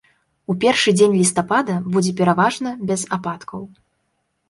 У першы дзень лістапада будзе пераважна без ападкаў.